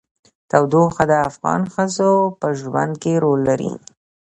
تودوخه د افغان ښځو په ژوند کې رول لري.